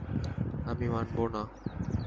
আমি মানবো না।